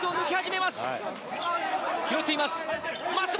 拾っています。